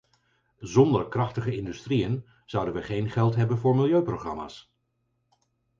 Zonder krachtige industrieën zouden we geen geld hebben voor milieuprogramma's!